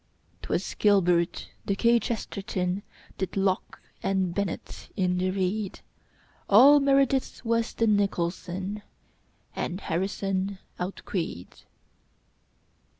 'Twas gilbert. The kchesterton Did locke and bennett in the reed. All meredith was the nicholson, And harrison outqueed.